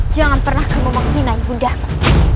jangan pernah kamu membinai bundaku